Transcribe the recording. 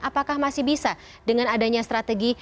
apakah masih bisa dengan adanya strategi